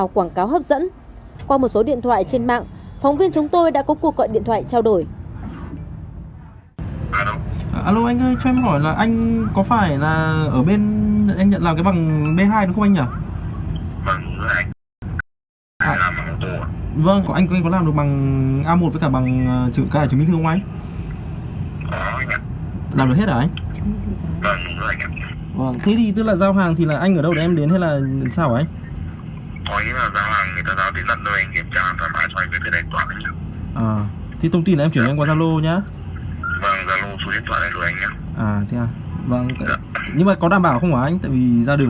qua một số điện thoại trên mạng phóng viên chúng tôi đã có cuộc gọi điện thoại trao đổi